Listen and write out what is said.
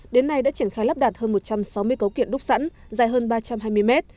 đến nay đã triển khai lắp đặt hơn một trăm sáu mươi cấu kiện đúc sẵn dài hơn ba trăm hai mươi mét